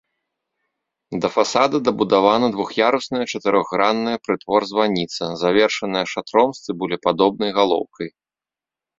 Да фасада дабудавана двух'ярусная чатырохгранная прытвор-званіца, завершаная шатром з цыбулепадобнай галоўкай.